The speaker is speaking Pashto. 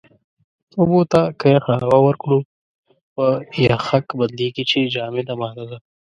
اوبو ته که يخه هوا ورکړو، په يَخٔک بدلېږي چې جامده ماده ده.